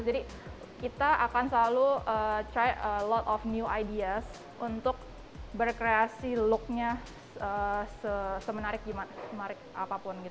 jadi kita akan selalu try a lot of new ideas untuk berkreasi looknya semenarik apapun